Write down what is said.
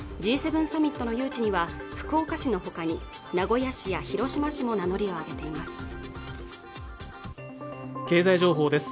Ｇ７サミットの誘致には福岡市のほかに名古屋市や広島市も名乗りを上げています